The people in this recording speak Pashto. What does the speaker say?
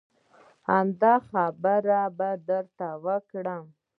همدا خبره به درته وکړي.